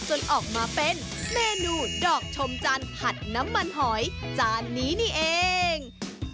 จนออกมาเป็นเมนูดอกชมจันทร์ผัดน้ำมันหอยจานนี้นี่เอง